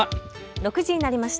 ６時になりました。